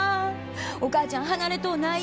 お母ちゃん離れとうない。